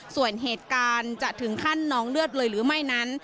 ส่วนเหตุการณ์จะถึงขั้นน้องเลือดเลยหรือไม่นั้น